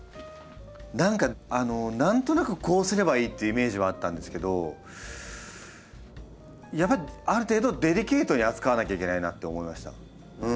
何か何となくこうすればいいっていうイメージはあったんですけどやっぱりある程度デリケートに扱わなきゃいけないなって思いました。